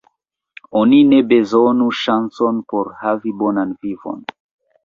Oni ne bezonu ŝancon por havi bonan vivon.